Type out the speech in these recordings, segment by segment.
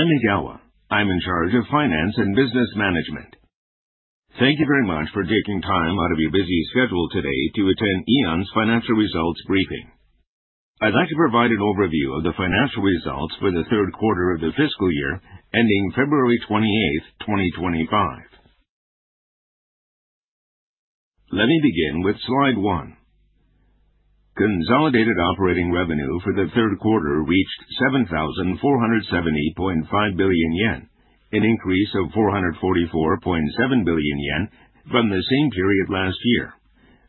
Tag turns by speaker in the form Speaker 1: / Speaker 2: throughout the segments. Speaker 1: I'm Egawa. I'm in charge of finance and business management. Thank you very much for taking time out of your busy schedule today to attend Aeon's financial results briefing. I'd like to provide an overview of the financial results for the third quarter of the fiscal year ending February 28, 2025. Let me begin with slide one. Consolidated operating revenue for the third quarter reached 7,470.5 billion yen, an increase of 444.7 billion yen from the same period last year,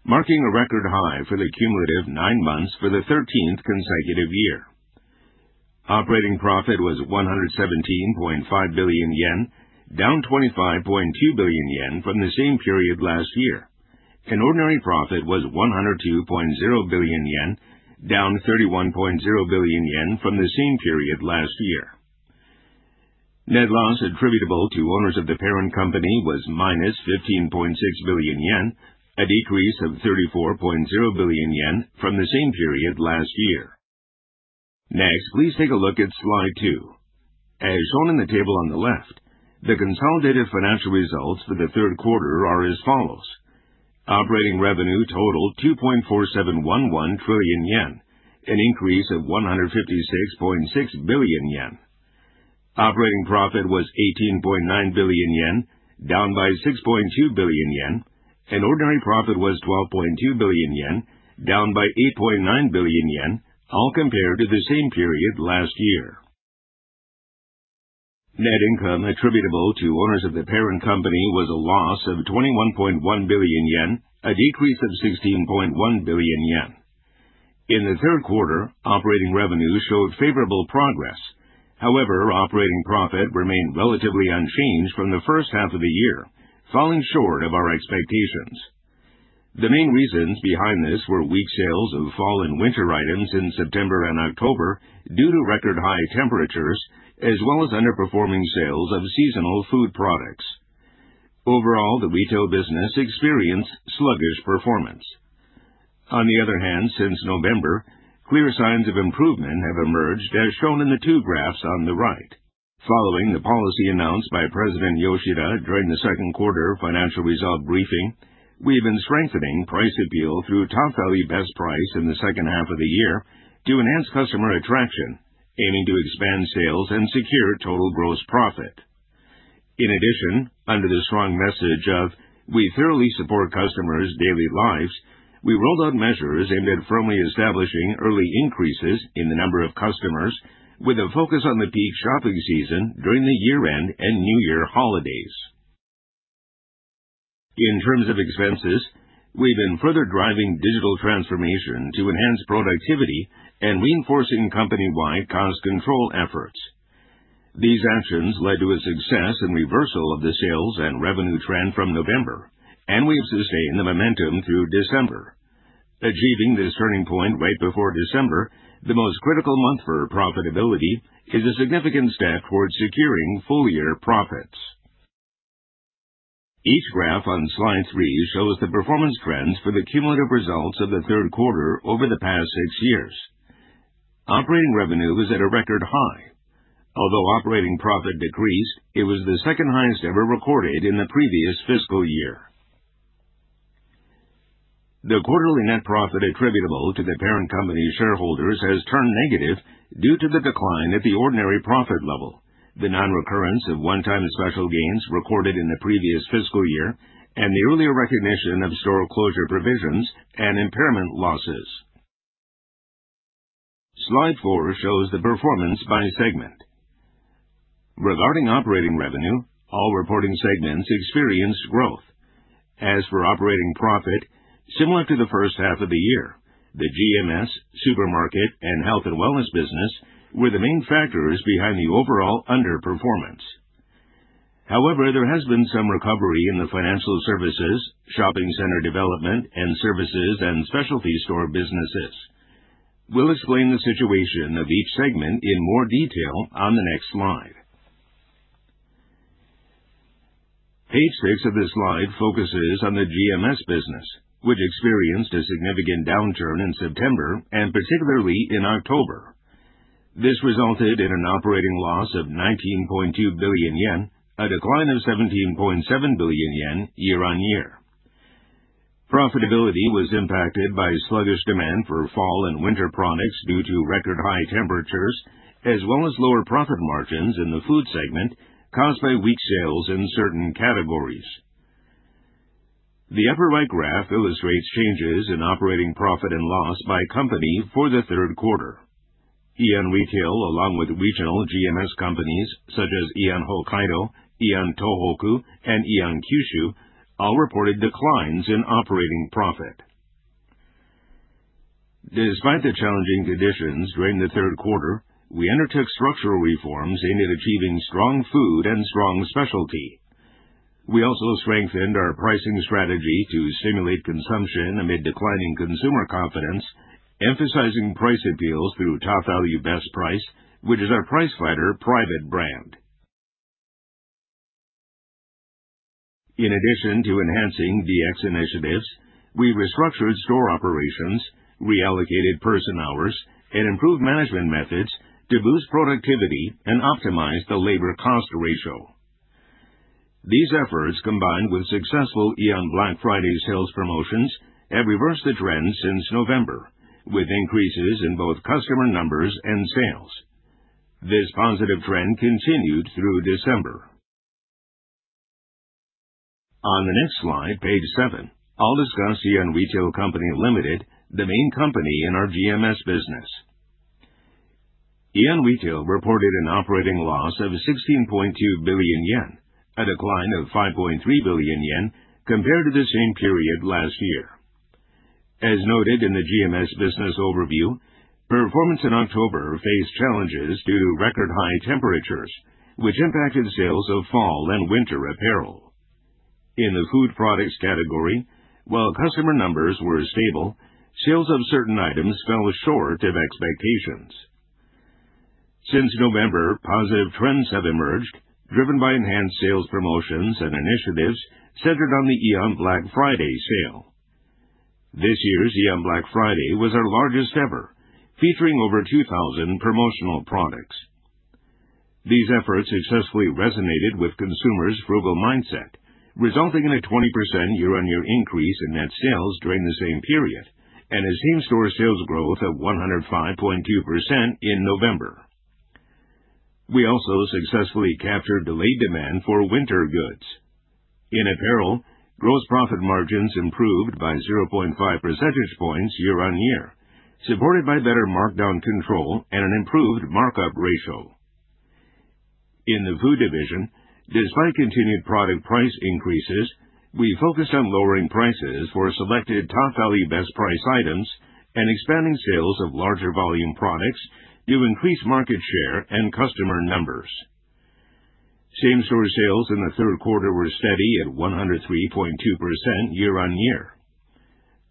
Speaker 1: marking a record high for the cumulative nine months for the 13th consecutive year. Operating profit was 117.5 billion yen, down 25.2 billion yen from the same period last year, and ordinary profit was 102.0 billion yen, down 31.0 billion yen from the same period last year. Net loss attributable to owners of the parent company was -15.6 billion yen, a decrease of 34.0 billion yen from the same period last year. Next, please take a look at slide two. As shown in the table on the left, the consolidated financial results for the third quarter are as follows. Operating revenue totaled 2.4711 trillion yen, an increase of 156.6 billion yen. Operating profit was 18.9 billion yen, down by 6.2 billion yen, and ordinary profit was 12.2 billion yen, down by 8.9 billion yen, all compared to the same period last year. Net income attributable to owners of the parent company was a loss of -21.1 billion yen, a decrease of 16.1 billion yen. In the third quarter, operating revenue showed favorable progress. However, operating profit remained relatively unchanged from the first half of the year, falling short of our expectations. The main reasons behind this were weak sales of fall and winter items in September and October due to record high temperatures, as well as underperforming sales of seasonal food products. Overall, the retail business experienced sluggish performance. On the other hand, since November, clear signs of improvement have emerged, as shown in the two graphs on the right. Following the policy announced by President Yoshida during the second quarter financial result briefing, we've been strengthening price appeal through Topvalu Best Price in the second half of the year to enhance customer attraction, aiming to expand sales and secure total gross profit. In addition, under the strong message of "We thoroughly support customers' daily lives," we rolled out measures aimed at firmly establishing early increases in the number of customers with a focus on the peak shopping season during the year-end and New Year holidays. In terms of expenses, we've been further driving digital transformation to enhance productivity and reinforcing company-wide cost control efforts. These actions led to a success and reversal of the sales and revenue trend from November, and we've sustained the momentum through December. Achieving this turning point right before December, the most critical month for profitability, is a significant step towards securing full-year profits. Each graph on slide three shows the performance trends for the cumulative results of the third quarter over the past six years. Operating revenue is at a record high. Although operating profit decreased, it was the second highest ever recorded in the previous fiscal year. The quarterly net profit attributable to the parent company's shareholders has turned negative due to the decline at the ordinary profit level, the non-recurrence of one-time special gains recorded in the previous fiscal year, and the earlier recognition of store closure provisions and impairment losses. Slide four shows the performance by segment. Regarding operating revenue, all reporting segments experienced growth. As for operating profit, similar to the first half of the year, the GMS, supermarket, and health and wellness business were the main factors behind the overall underperformance. However, there has been some recovery in the financial services, shopping center development, and services and specialty store businesses. We will explain the situation of each segment in more detail on the next slide. Page six of this slide focuses on the GMS business, which experienced a significant downturn in September and particularly in October. This resulted in an operating loss of 19.2 billion yen, a decline of 17.7 billion yen year-on-year. Profitability was impacted by sluggish demand for fall and winter products due to record high temperatures, as well as lower profit margins in the food segment caused by weak sales in certain categories. The upper right graph illustrates changes in operating profit and loss by company for the third quarter. Aeon Retail, along with regional GMS companies such as Aeon Hokkaido, Aeon Tohoku, and Aeon Kyushu, all reported declines in operating profit. Despite the challenging conditions during the third quarter, we undertook structural reforms aimed at achieving strong food and strong specialty. We also strengthened our pricing strategy to stimulate consumption amid declining consumer confidence, emphasizing price appeals through Topvalu Best Price, which is our price fighter private brand. In addition to enhancing DX initiatives, we restructured store operations, reallocated person-hours, and improved management methods to boost productivity and optimize the labor cost ratio. These efforts, combined with successful AEON Black Friday sales promotions, have reversed the trend since November, with increases in both customer numbers and sales. This positive trend continued through December. On the next slide, page seven, I will discuss Aeon Retail Co., Ltd., the main company in our GMS business. Aeon Retail reported an operating loss of 16.2 billion yen, a decline of 5.3 billion yen compared to the same period last year. As noted in the GMS business overview, performance in October faced challenges due to record high temperatures, which impacted sales of fall and winter apparel. In the food products category, while customer numbers were stable, sales of certain items fell short of expectations. Since November, positive trends have emerged, driven by enhanced sales promotions and initiatives centered on the AEON Black Friday sale. This year's AEON Black Friday was our largest ever, featuring over 2,000 promotional products. These efforts successfully resonated with consumers' frugal mindset, resulting in a 20% year-on-year increase in net sales during the same period, and a same-store sales growth of 105.2% in November. We also successfully captured delayed demand for winter goods. In apparel, gross profit margins improved by 0.5 percentage points year-on-year, supported by better markdown control and an improved markup ratio. In the food division, despite continued product price increases, we focused on lowering prices for selected Topvalu Best Price items and expanding sales of larger volume products to increase market share and customer numbers. Same-store sales in the third quarter were steady at 103.2% year-on-year.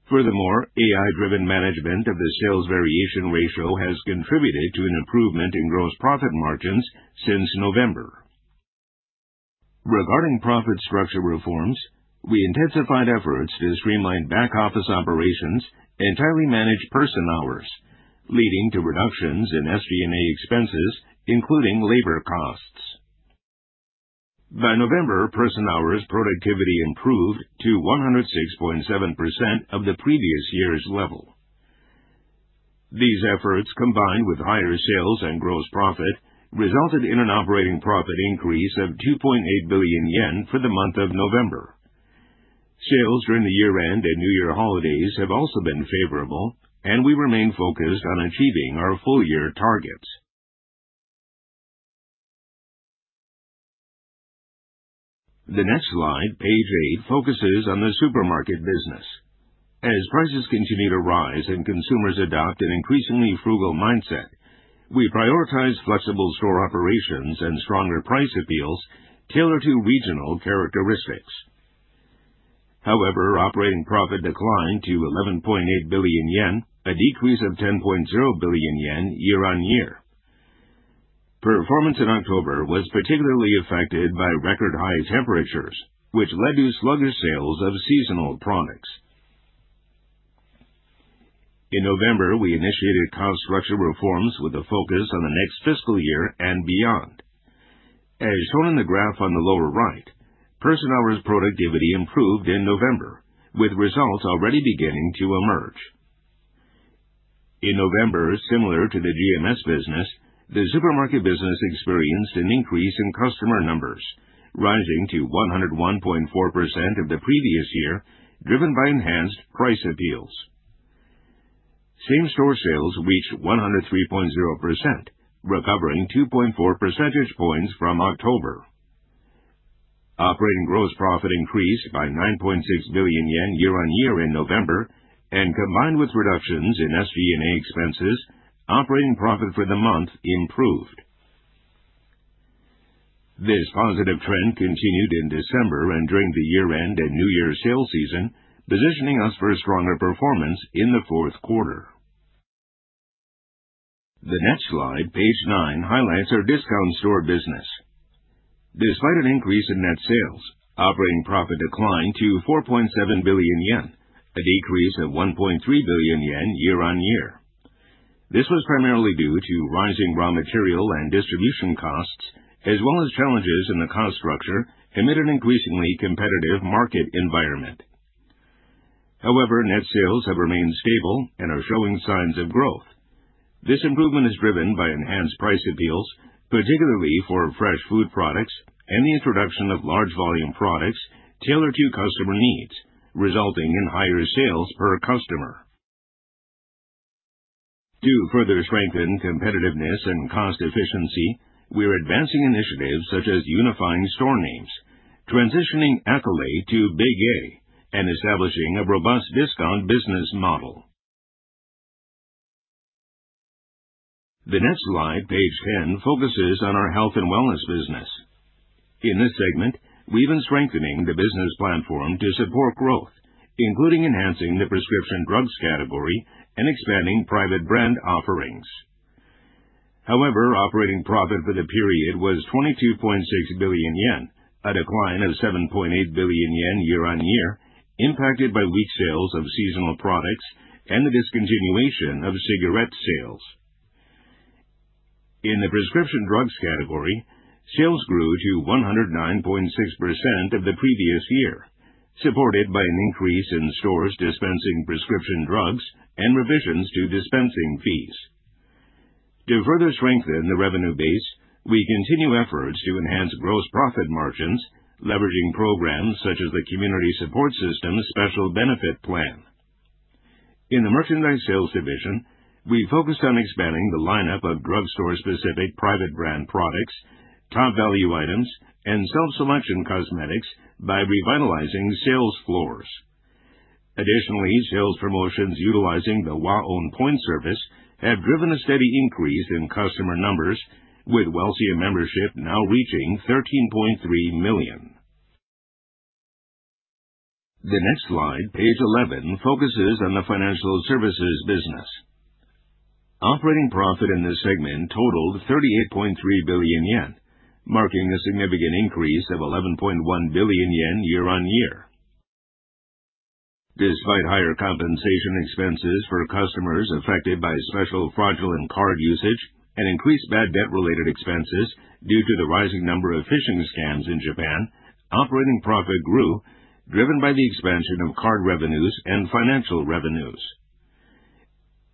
Speaker 1: Furthermore, AI-driven management of the sales variation ratio has contributed to an improvement in gross profit margins since November. Regarding profit structure reforms, we intensified efforts to streamline back-office operations and tightly manage person-hours, leading to reductions in SG&A expenses, including labor costs. By November, person-hours productivity improved to 106.7% of the previous year's level. These efforts, combined with higher sales and gross profit, resulted in an operating profit increase of 2.8 billion yen for the month of November. Sales during the year-end and new year holidays have also been favorable. We remain focused on achieving our full-year targets. The next slide, page eight, focuses on the supermarket business. As prices continue to rise and consumers adopt an increasingly frugal mindset, we prioritize flexible store operations and stronger price appeals tailored to regional characteristics. However, operating profit declined to 11.8 billion yen, a decrease of 10.0 billion yen year-on-year. Performance in October was particularly affected by record high temperatures, which led to sluggish sales of seasonal products. In November, we initiated cost structure reforms with a focus on the next fiscal year and beyond. As shown in the graph on the lower right, person-hours productivity improved in November, with results already beginning to emerge. In November, similar to the GMS business, the supermarket business experienced an increase in customer numbers, rising to 101.4% of the previous year, driven by enhanced price appeals. Same-store sales reached 103.0%, recovering 2.4 percentage points from October. Operating gross profit increased by 9.6 billion yen year-on-year in November. Combined with reductions in SG&A expenses, operating profit for the month improved. This positive trend continued in December and during the year-end and new year sales season, positioning us for a stronger performance in the fourth quarter. The next slide, page nine, highlights our discount store business. Despite an increase in net sales, operating profit declined to 4.7 billion yen, a decrease of 1.3 billion yen year-on-year. This was primarily due to rising raw material and distribution costs, as well as challenges in the cost structure amid an increasingly competitive market environment. Net sales have remained stable and are showing signs of growth. This improvement is driven by enhanced price appeals, particularly for fresh food products and the introduction of large volume products tailored to customer needs, resulting in higher sales per customer. To further strengthen competitiveness and cost efficiency, we are advancing initiatives such as unifying store names, transitioning A-Colle to Big A, and establishing a robust discount business model. The next slide, page 10, focuses on our health and wellness business. In this segment, we've been strengthening the business platform to support growth, including enhancing the prescription drugs category and expanding private brand offerings. However, operating profit for the period was 22.6 billion yen, a decline of 7.8 billion yen year-on-year, impacted by weak sales of seasonal products and the discontinuation of cigarette sales. In the prescription drugs category, sales grew to 109.6% of the previous year, supported by an increase in stores dispensing prescription drugs and revisions to dispensing fees. To further strengthen the revenue base, we continue efforts to enhance gross profit margins, leveraging programs such as the Community Support System Special Benefit Plan. In the merchandise sales division, we focused on expanding the lineup of drugstore-specific private brand products, Topvalu items, and self-selection cosmetics by revitalizing sales floors. Additionally, sales promotions utilizing the WAON POINT service have driven a steady increase in customer numbers, with Welcia membership now reaching 13.3 million. The next slide, page 11, focuses on the financial services business. Operating profit in this segment totaled 38.3 billion yen, marking a significant increase of 11.1 billion yen year-on-year. Despite higher compensation expenses for customers affected by special fraudulent card usage and increased bad debt-related expenses due to the rising number of phishing scams in Japan, operating profit grew, driven by the expansion of card revenues and financial revenues.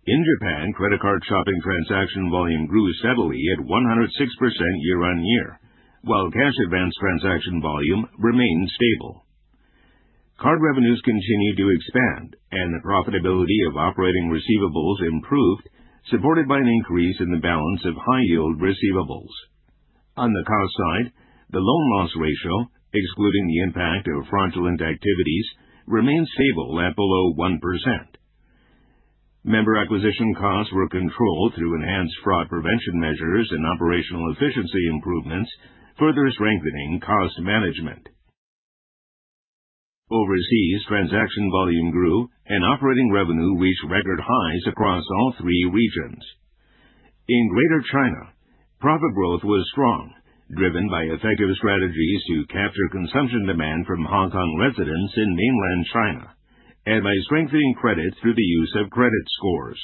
Speaker 1: In Japan, credit card shopping transaction volume grew steadily at 106% year-on-year, while cash advance transaction volume remained stable. Card revenues continued to expand, and profitability of operating receivables improved, supported by an increase in the balance of high-yield receivables. On the cost side, the loan loss ratio, excluding the impact of fraudulent activities, remained stable at below 1%. Member acquisition costs were controlled through enhanced fraud prevention measures and operational efficiency improvements, further strengthening cost management. Overseas transaction volume grew, and operating revenue reached record highs across all three regions. In Greater China, profit growth was strong, driven by effective strategies to capture consumption demand from Hong Kong residents in mainland China and by strengthening credit through the use of credit scores.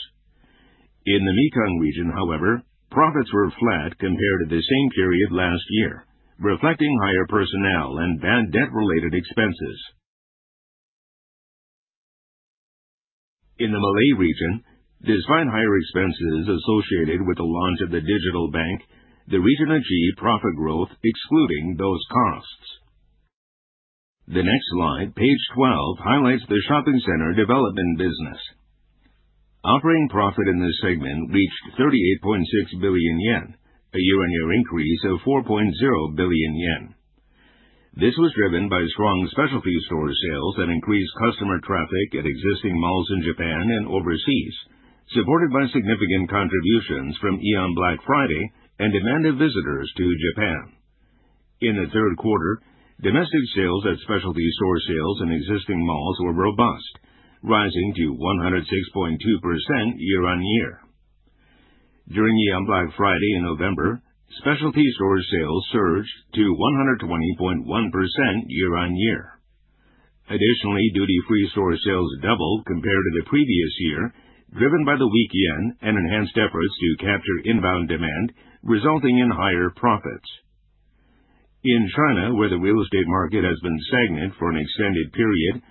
Speaker 1: In the Mekong region, however, profits were flat compared to the same period last year, reflecting higher personnel and bad debt-related expenses. In the Malay region, despite higher expenses associated with the launch of the digital bank, the region achieved profit growth excluding those costs. The next slide, page 12, highlights the shopping center development business. Operating profit in this segment reached 38.6 billion yen, a year-on-year increase of 4.0 billion yen. This was driven by strong specialty store sales that increased customer traffic at existing malls in Japan and overseas, supported by significant contributions from AEON Black Friday and demand of visitors to Japan. In the third quarter, domestic sales at specialty store sales and existing malls were robust, rising to 106.2% year-on-year. During AEON Black Friday in November, specialty store sales surged to 120.1% year-on-year. Additionally, duty-free store sales doubled compared to the previous year, driven by the weak yen and enhanced efforts to capture inbound demand, resulting in higher profits. In China, where the real estate market has been stagnant for an extended period,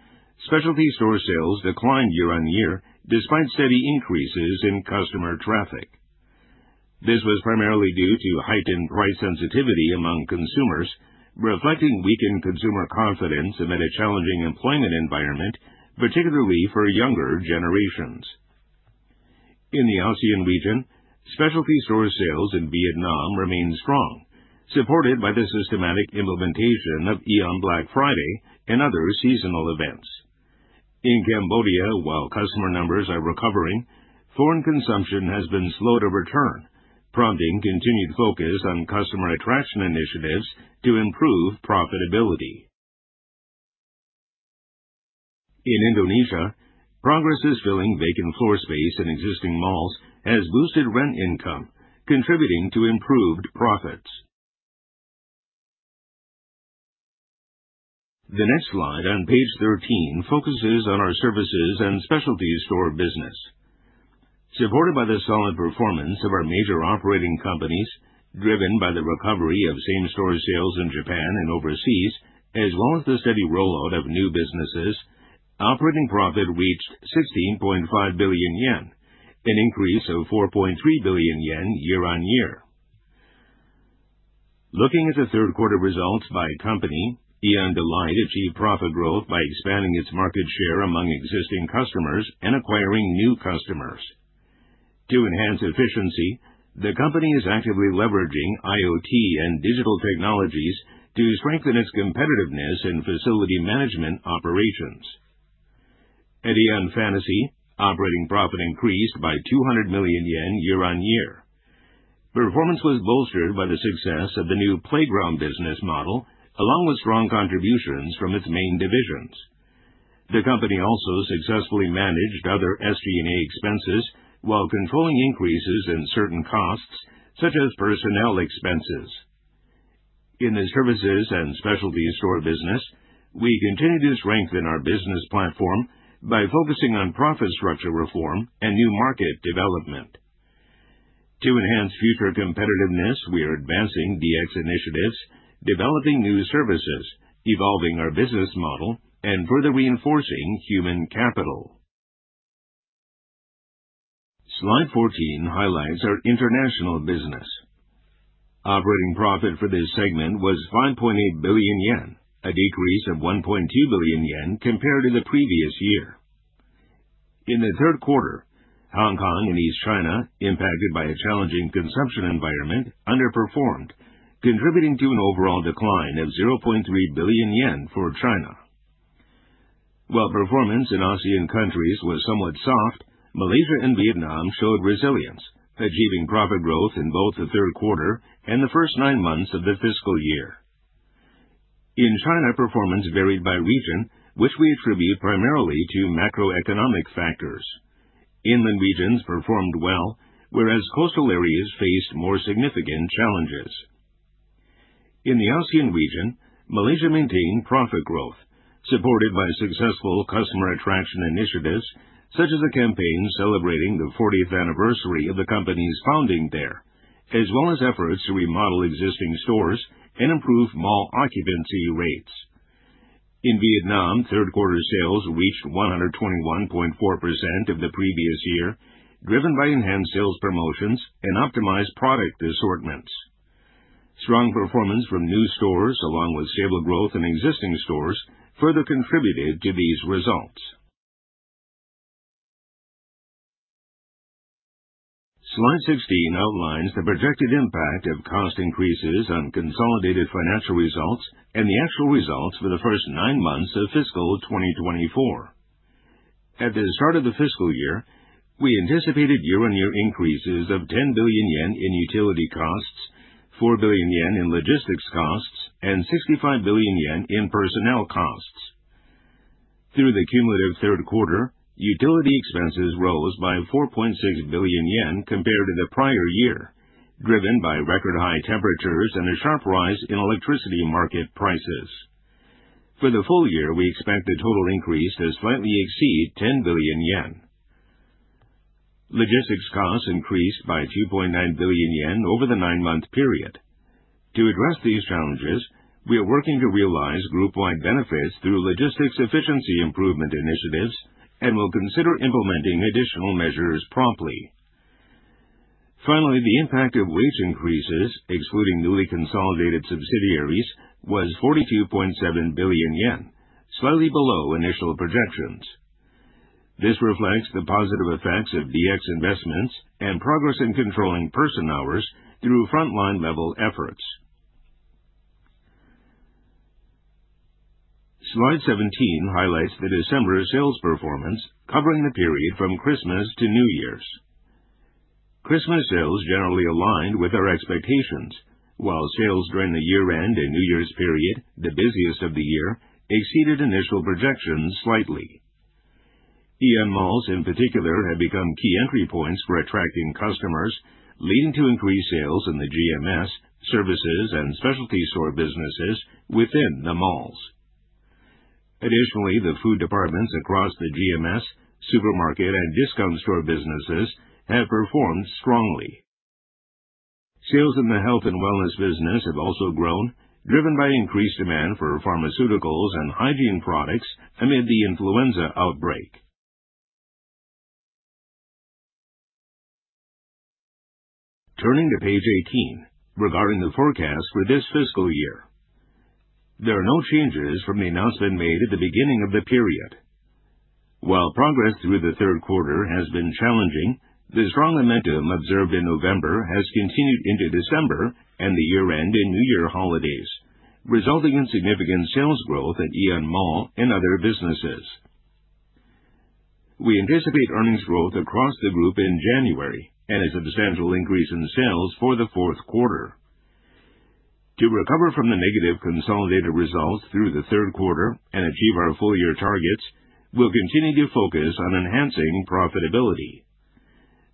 Speaker 1: specialty store sales declined year-on-year despite steady increases in customer traffic. This was primarily due to heightened price sensitivity among consumers, reflecting weakened consumer confidence amid a challenging employment environment, particularly for younger generations. In the ASEAN region, specialty store sales in Vietnam remained strong, supported by the systematic implementation of AEON Black Friday and other seasonal events. In Cambodia, while customer numbers are recovering, foreign consumption has been slow to return, prompting continued focus on customer attraction initiatives to improve profitability. In Indonesia, progress is filling vacant floor space in existing malls has boosted rent income, contributing to improved profits. The next slide on page 13 focuses on our services and specialty store business. Supported by the solid performance of our major operating companies, driven by the recovery of same-store sales in Japan and overseas, as well as the steady rollout of new businesses, operating profit reached 16.5 billion yen, an increase of 4.3 billion yen year-on-year. Looking at the third quarter results by company, Aeon Delight achieved profit growth by expanding its market share among existing customers and acquiring new customers. To enhance efficiency, the company is actively leveraging IoT and digital technologies to strengthen its competitiveness in facility management operations. At Aeon Fantasy, operating profit increased by 200 million yen year-on-year. Performance was bolstered by the success of the new playground business model, along with strong contributions from its main divisions. The company also successfully managed other SG&A expenses while controlling increases in certain costs, such as personnel expenses. In the Services and Specialty Store business, we continued to strengthen our business platform by focusing on profit structure reform and new market development. To enhance future competitiveness, we are advancing DX initiatives, developing new services, evolving our business model, and further reinforcing human capital. Slide 14 highlights our International business. Operating profit for this segment was 5.8 billion yen, a decrease of 1.2 billion yen compared to the previous year. In the third quarter, Hong Kong and East China, impacted by a challenging consumption environment, underperformed, contributing to an overall decline of 0.3 billion yen for China. While performance in ASEAN countries was somewhat soft, Malaysia and Vietnam showed resilience, achieving profit growth in both the third quarter and the first nine months of the fiscal year. In China, performance varied by region, which we attribute primarily to macroeconomic factors. Inland regions performed well, whereas coastal areas faced more significant challenges. In the ASEAN region, Malaysia maintained profit growth, supported by successful customer attraction initiatives such as a campaign celebrating the 40th anniversary of the company's founding there, as well as efforts to remodel existing stores and improve mall occupancy rates. In Vietnam, third-quarter sales reached 121.4% of the previous year, driven by enhanced sales promotions and optimized product assortments. Strong performance from new stores, along with stable growth in existing stores, further contributed to these results. Slide 16 outlines the projected impact of cost increases on consolidated financial results and the actual results for the first nine months of fiscal 2024. At the start of the fiscal year, we anticipated year-on-year increases of 10 billion yen in utility costs, 4 billion yen in logistics costs, and 65 billion yen in personnel costs. Through the cumulative third quarter, utility expenses rose by 4.6 billion yen compared to the prior year, driven by record high temperatures and a sharp rise in electricity market prices. For the full year, we expect the total increase to slightly exceed 10 billion yen. Logistics costs increased by 2.9 billion yen over the nine-month period. To address these challenges, we are working to realize group-wide benefits through logistics efficiency improvement initiatives and will consider implementing additional measures promptly. Finally, the impact of wage increases, excluding newly consolidated subsidiaries, was 42.7 billion yen, slightly below initial projections. This reflects the positive effects of DX investments and progress in controlling person-hours through frontline-level efforts. Slide 17 highlights the December sales performance, covering the period from Christmas to New Year's. Christmas sales generally aligned with our expectations, while sales during the year-end and New Year's period, the busiest of the year, exceeded initial projections slightly. Aeon Malls, in particular, have become key entry points for attracting customers, leading to increased sales in the GMS, Services, and Specialty Store businesses within the malls. Additionally, the food departments across the GMS, Supermarket, and Discount Store businesses have performed strongly. Sales in the Health & Wellness business have also grown, driven by increased demand for pharmaceuticals and hygiene products amid the influenza outbreak. Turning to page 18, regarding the forecast for this fiscal year, there are no changes from the announcement made at the beginning of the period. While progress through the third quarter has been challenging, the strong momentum observed in November has continued into December and the year-end and New Year holidays, resulting in significant sales growth at Aeon Mall and other businesses. We anticipate earnings growth across the group in January and a substantial increase in sales for the fourth quarter. To recover from the negative consolidated results through the third quarter and achieve our full-year targets, we'll continue to focus on enhancing profitability.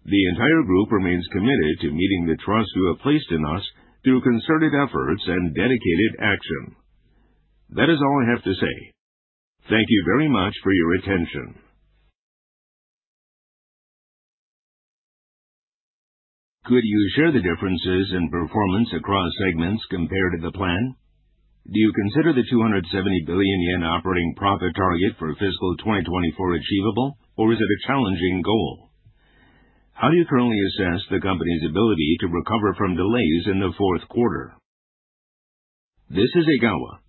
Speaker 1: The entire group remains committed to meeting the trust you have placed in us through concerted efforts and dedicated action. That is all I have to say. Thank you very much for your attention. Could you share the differences in performance across segments compared to the plan? Do you consider the 270 billion yen operating profit target for FY 2024 achievable, or is it a challenging goal? How do you currently assess the company's ability to recover from delays in the fourth quarter? This is Egawa.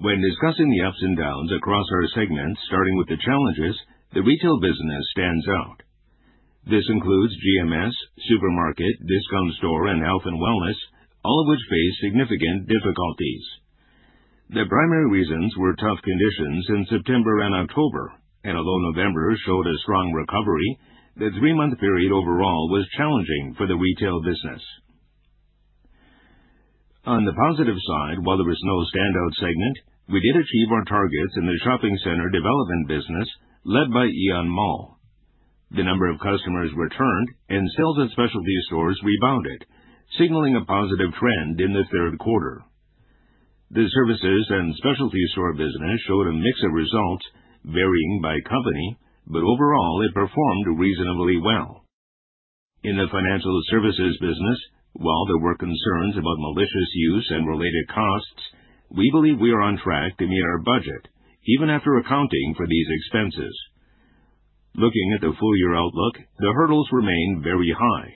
Speaker 1: When discussing the ups and downs across our segments, starting with the challenges, the Retail business stands out. This includes GMS, Supermarket, Discount Store, and Health & Wellness, all of which face significant difficulties. The primary reasons were tough conditions in September and October, and although November showed a strong recovery, the three-month period overall was challenging for the Retail business. On the positive side, while there was no standout segment, we did achieve our targets in the shopping center development business led by Aeon Mall. The number of customers returned and sales at specialty stores rebounded, signaling a positive trend in the third quarter. The services and specialty store business showed a mix of results varying by company, but overall, it performed reasonably well. In the financial services business, while there were concerns about malicious use and related costs, we believe we are on track to meet our budget even after accounting for these expenses. Looking at the full-year outlook, the hurdles remain very high.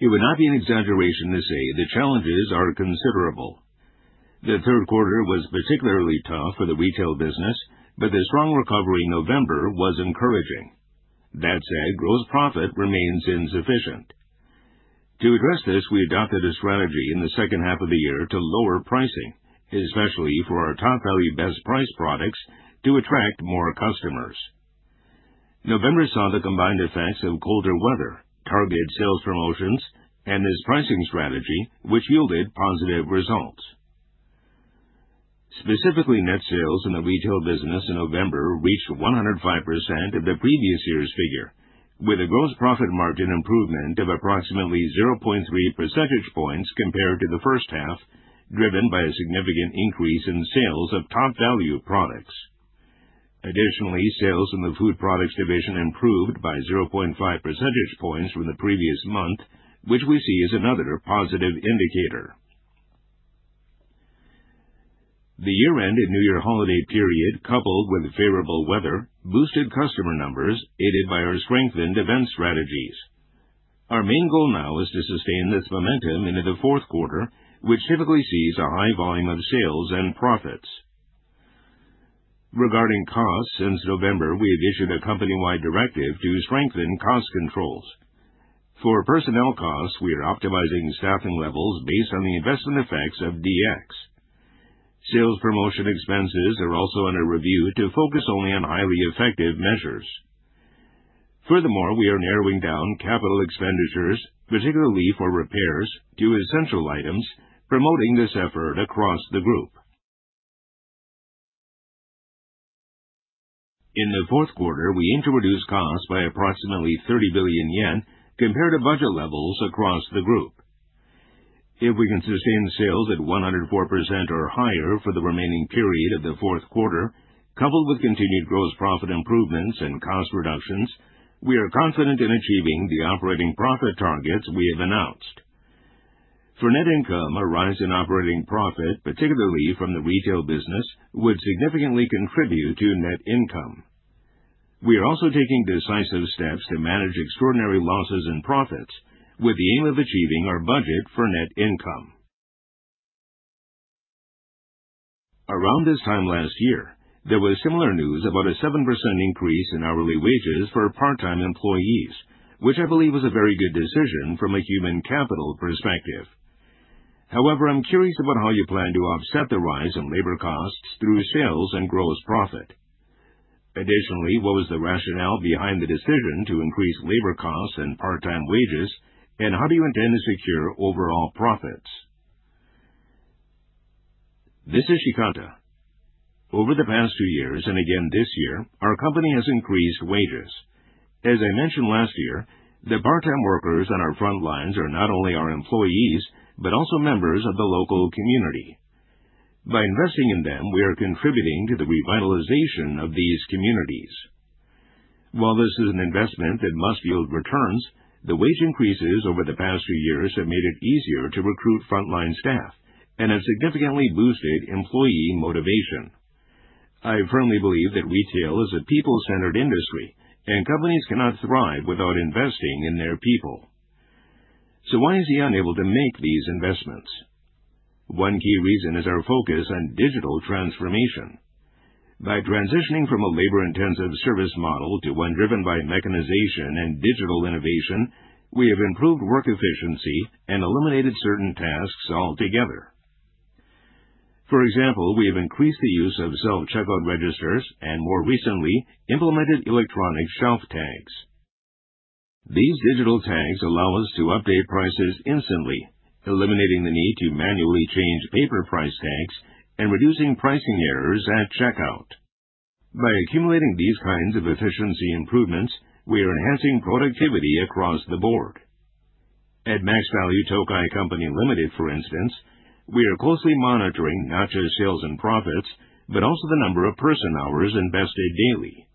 Speaker 1: It would not be an exaggeration to say the challenges are considerable. The third quarter was particularly tough for the retail business, but the strong recovery in November was encouraging. That said, gross profit remains insufficient. To address this, we adopted a strategy in the second half of the year to lower pricing, especially for our Topvalu Best Price products, to attract more customers. November saw the combined effects of colder weather, targeted sales promotions, and this pricing strategy, which yielded positive results. Specifically, net sales in the retail business in November reached 105% of the previous year's figure, with a gross profit margin improvement of approximately 0.3 percentage points compared to the first half, driven by a significant increase in sales of Topvalu products. Additionally, sales in the Food Products division improved by 0.5 percentage points from the previous month, which we see as another positive indicator. The year-end and New Year holiday period, coupled with favorable weather, boosted customer numbers, aided by our strengthened event strategies. Our main goal now is to sustain this momentum into the fourth quarter, which typically sees a high volume of sales and profits. Regarding costs, since November, we have issued a company-wide directive to strengthen cost controls. For personnel costs, we are optimizing staffing levels based on the investment effects of DX. Sales promotion expenses are also under review to focus only on highly effective measures. Furthermore, we are narrowing down capital expenditures, particularly for repairs to essential items, promoting this effort across the group. In the fourth quarter, we aim to reduce costs by approximately 30 billion yen compared to budget levels across the group. If we can sustain sales at 104% or higher for the remaining period of the fourth quarter, coupled with continued gross profit improvements and cost reductions, we are confident in achieving the operating profit targets we have announced. For net income, a rise in operating profit, particularly from the retail business, would significantly contribute to net income. We are also taking decisive steps to manage extraordinary losses and profits with the aim of achieving our budget for net income.
Speaker 2: Around this time last year, there was similar news about a 7% increase in hourly wages for part-time employees, which I believe was a very good decision from a human capital perspective. However, I'm curious about how you plan to offset the rise in labor costs through sales and gross profit. Additionally, what was the rationale behind the decision to increase labor costs and part-time wages, and how do you intend to secure overall profits? This is Shikata. Over the past two years, and again this year, our company has increased wages. As I mentioned last year, the part-time workers on our front lines are not only our employees, but also members of the local community. By investing in them, we are contributing to the revitalization of these communities.
Speaker 3: While this is an investment that must yield returns, the wage increases over the past few years have made it easier to recruit frontline staff and have significantly boosted employee motivation. I firmly believe that retail is a people-centered industry, and companies cannot thrive without investing in their people. Why is Aeon able to make these investments? One key reason is our focus on digital transformation. By transitioning from a labor-intensive service model to one driven by mechanization and digital innovation, we have improved work efficiency and eliminated certain tasks altogether. For example, we have increased the use of self-checkout registers and, more recently, implemented electronic shelf tags. These digital tags allow us to update prices instantly, eliminating the need to manually change paper price tags and reducing pricing errors at checkout. By accumulating these kinds of efficiency improvements, we are enhancing productivity across the board.
Speaker 1: At Maxvalu Tokai Co., Ltd., for instance, we are closely monitoring not just sales and profits, but also the number of person-hours invested daily.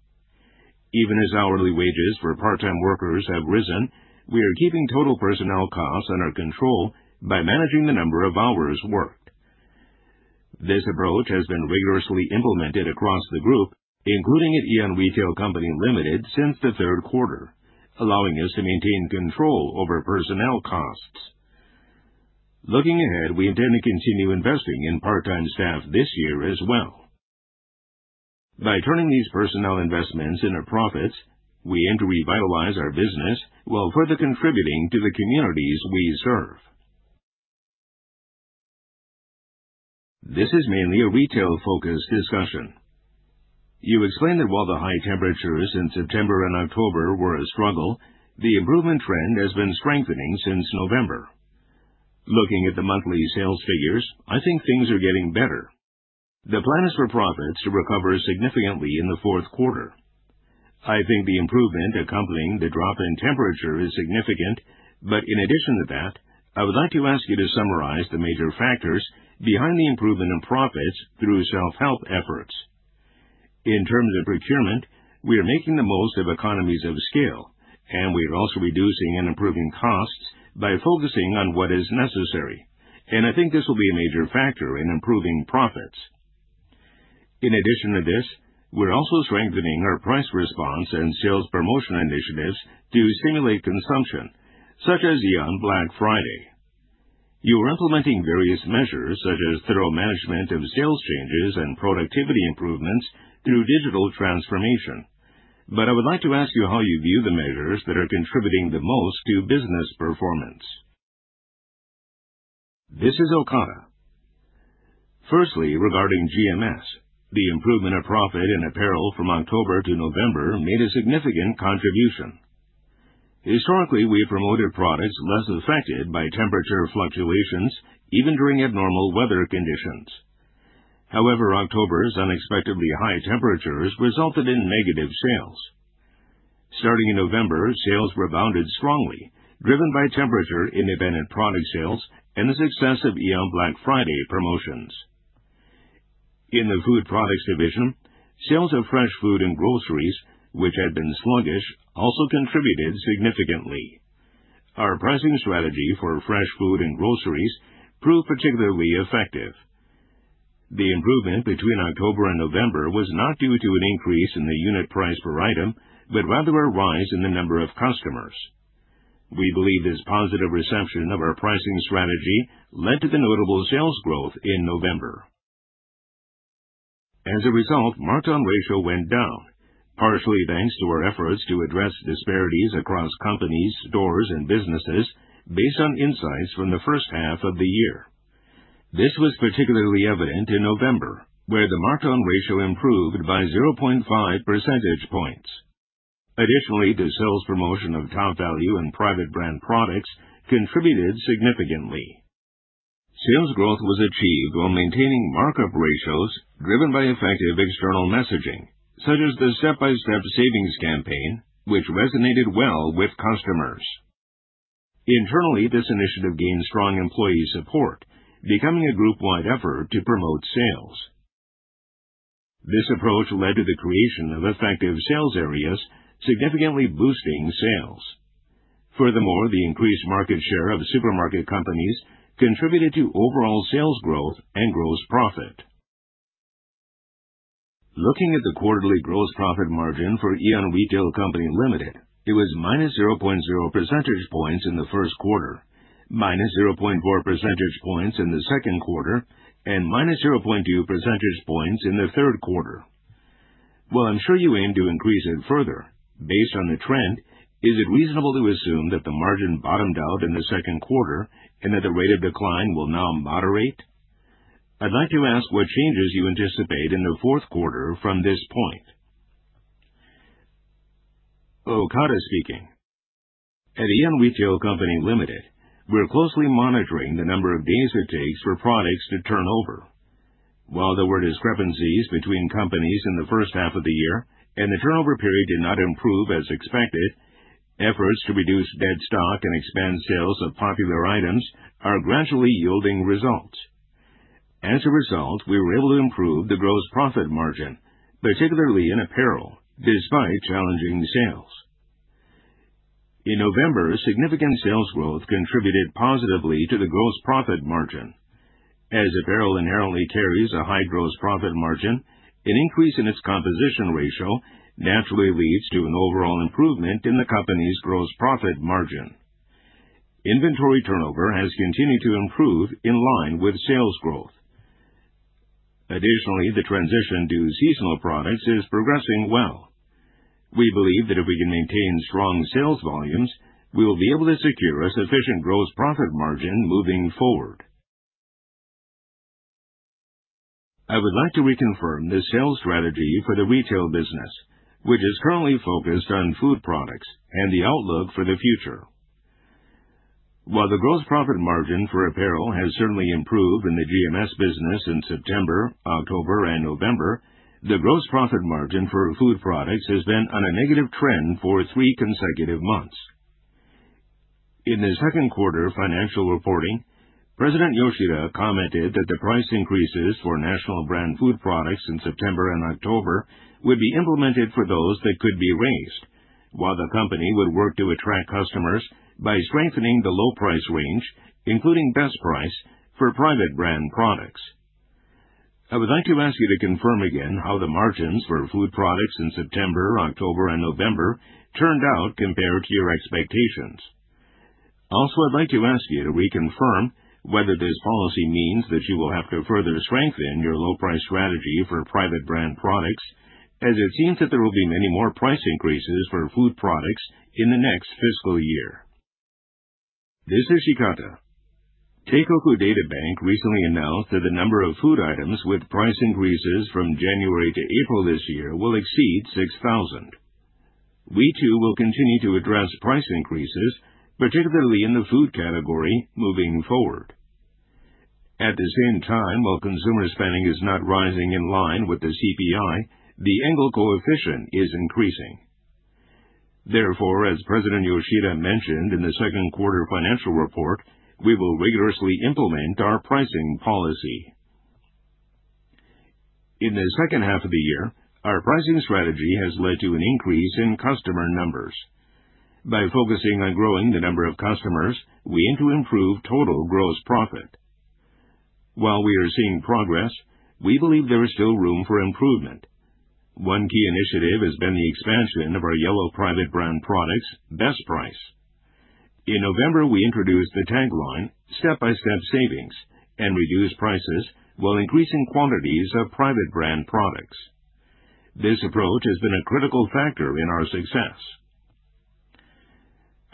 Speaker 1: Even as hourly wages for part-time workers have risen, we are keeping total personnel costs under control by managing the number of hours worked. This approach has been rigorously implemented across the group, including at Aeon Retail Co., Ltd., since the third quarter, allowing us to maintain control over personnel costs. Looking ahead, we intend to continue investing in part-time staff this year as well. By turning these personnel investments into profits, we aim to revitalize our business while further contributing to the communities we serve. This is mainly a retail-focused discussion. You explained that while the high temperatures in September and October were a struggle, the improvement trend has been strengthening since November.
Speaker 2: Looking at the monthly sales figures, I think things are getting better. The plan is for profits to recover significantly in the fourth quarter. I think the improvement accompanying the drop in temperature is significant, but in addition to that, I would like to ask you to summarize the major factors behind the improvement in profits through self-help efforts. In terms of procurement, we are making the most of economies of scale, and we are also reducing and improving costs by focusing on what is necessary, and I think this will be a major factor in improving profits. In addition to this, we are also strengthening our price response and sales promotion initiatives to stimulate consumption, such as AEON Black Friday.
Speaker 1: You are implementing various measures such as thorough management of sales changes and productivity improvements through digital transformation, but I would like to ask you how you view the measures that are contributing the most to business performance. This is Okada. Firstly, regarding GMS, the improvement of profit in apparel from October to November made a significant contribution. Historically, we have promoted products less affected by temperature fluctuations, even during abnormal weather conditions. However, October's unexpectedly high temperatures resulted in negative sales. Starting in November, sales rebounded strongly, driven by temperature-independent product sales and the success of AEON Black Friday promotions. In the food products division, sales of fresh food and groceries, which had been sluggish, also contributed significantly. Our pricing strategy for fresh food and groceries proved particularly effective. The improvement between October and November was not due to an increase in the unit price per item, but rather a rise in the number of customers. We believe this positive reception of our pricing strategy led to the notable sales growth in November. As a result, markdown ratio went down, partially thanks to our efforts to address disparities across companies, stores, and businesses based on insights from the first half of the year. This was particularly evident in November, where the markdown ratio improved by 0.5 percentage points. Additionally, the sales promotion of Topvalu and private brand products contributed significantly. Sales growth was achieved while maintaining markup ratios driven by effective external messaging, such as the Step-by-Step Savings campaign, which resonated well with customers. Internally, this initiative gained strong employee support, becoming a group-wide effort to promote sales.
Speaker 2: This approach led to the creation of effective sales areas, significantly boosting sales. Furthermore, the increased market share of supermarket companies contributed to overall sales growth and gross profit. Looking at the quarterly gross profit margin for Aeon Retail Co., Ltd., it was -0.0 percentage points in the first quarter, -0.4 percentage points in the second quarter, and -0.2 percentage points in the third quarter. While I am sure you aim to increase it further, based on the trend, is it reasonable to assume that the margin bottomed out in the second quarter and that the rate of decline will now moderate? I would like to ask what changes you anticipate in the fourth quarter from this point. Okada speaking. At Aeon Retail Co., Ltd., we are closely monitoring the number of days it takes for products to turn over.
Speaker 1: While there were discrepancies between companies in the first half of the year and the turnover period did not improve as expected, efforts to reduce dead stock and expand sales of popular items are gradually yielding results. As a result, we were able to improve the gross profit margin, particularly in apparel, despite challenging sales. In November, significant sales growth contributed positively to the gross profit margin. As apparel inherently carries a high gross profit margin, an increase in its composition ratio naturally leads to an overall improvement in the company's gross profit margin. Inventory turnover has continued to improve in line with sales growth. Additionally, the transition to seasonal products is progressing well. We believe that if we can maintain strong sales volumes, we will be able to secure a sufficient gross profit margin moving forward.
Speaker 2: I would like to reconfirm the sales strategy for the retail business, which is currently focused on food products, and the outlook for the future. While the gross profit margin for apparel has certainly improved in the GMS business in September, October, and November, the gross profit margin for food products has been on a negative trend for three consecutive months. In the second quarter financial reporting, President Yoshida commented that the price increases for national brand food products in September and October would be implemented for those that could be raised, while the company would work to attract customers by strengthening the low price range, including Best Price for private brand products. I would like to ask you to confirm again how the margins for food products in September, October, and November turned out compared to your expectations.
Speaker 3: I'd like to ask you to reconfirm whether this policy means that you will have to further strengthen your low price strategy for private brand products, as it seems that there will be many more price increases for food products in the next fiscal year. This is Shikata. Teikoku Databank recently announced that the number of food items with price increases from January to April this year will exceed 6,000. We too will continue to address price increases, particularly in the food category, moving forward. At the same time, while consumer spending is not rising in line with the CPI, the Engel coefficient is increasing. As President Yoshida mentioned in the second quarter financial report, we will rigorously implement our pricing policy. In the second half of the year, our pricing strategy has led to an increase in customer numbers.
Speaker 1: By focusing on growing the number of customers, we aim to improve total gross profit. While we are seeing progress, we believe there is still room for improvement. One key initiative has been the expansion of our yellow private brand products, Best Price. In November, we introduced the tagline "Step-by-Step Savings" and reduced prices while increasing quantities of private brand products. This approach has been a critical factor in our success.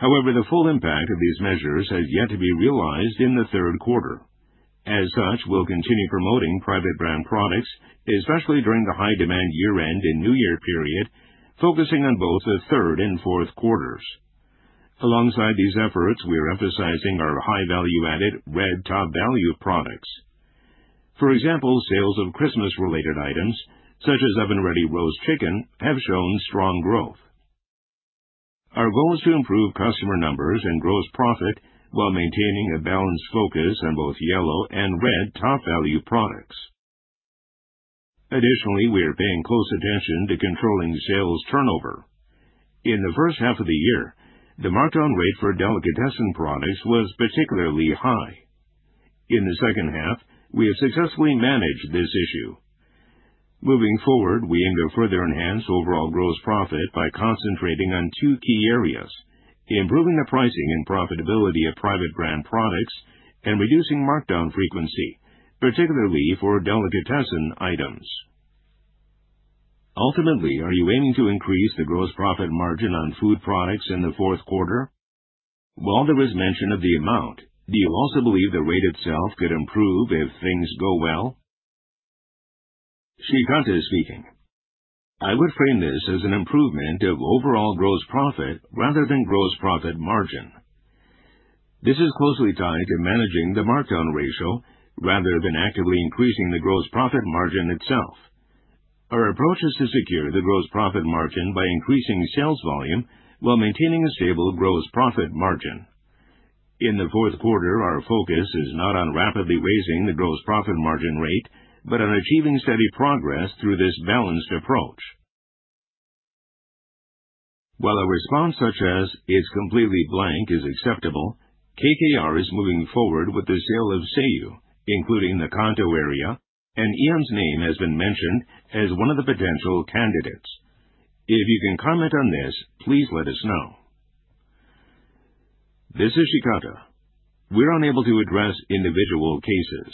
Speaker 1: The full impact of these measures has yet to be realized in the third quarter. As such, we'll continue promoting private brand products, especially during the high-demand year-end and New Year period, focusing on both the third and fourth quarters. Alongside these efforts, we are emphasizing our high value-added red Topvalu products. For example, sales of Christmas-related items, such as oven-ready roast chicken, have shown strong growth.
Speaker 2: Our goal is to improve customer numbers and gross profit while maintaining a balanced focus on both yellow and red Topvalu products. Additionally, we are paying close attention to controlling sales turnover. In the first half of the year, the markdown rate for delicatessen products was particularly high. In the second half, we have successfully managed this issue. Moving forward, we aim to further enhance overall gross profit by concentrating on two key areas: improving the pricing and profitability of private brand products and reducing markdown frequency, particularly for delicatessen items. Ultimately, are you aiming to increase the gross profit margin on food products in the fourth quarter? While there is mention of the amount, do you also believe the rate itself could improve if things go well? Shikata speaking. I would frame this as an improvement of overall gross profit rather than gross profit margin.
Speaker 3: This is closely tied to managing the markdown ratio rather than actively increasing the gross profit margin itself. Our approach is to secure the gross profit margin by increasing sales volume while maintaining a stable gross profit margin. In the fourth quarter, our focus is not on rapidly raising the gross profit margin rate but on achieving steady progress through this balanced approach. While a response such as "It's completely blank" is acceptable, KKR is moving forward with the sale of Seiyu, including the Kanto area, and Aeon's name has been mentioned as one of the potential candidates. If you can comment on this, please let us know. This is Shikata. We're unable to address individual cases.